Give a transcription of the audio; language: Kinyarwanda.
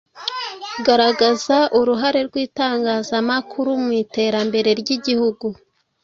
Garagaza uruhare rw’itangazamakuru mu iterambere ry’Igihugu.